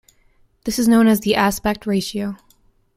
This is known as the aspect ratio.